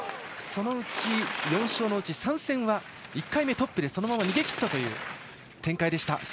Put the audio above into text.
そのうち４勝のうち３戦は１回目トップでそのまま逃げ切る展開でした。